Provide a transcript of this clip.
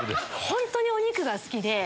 本当にお肉が好きで。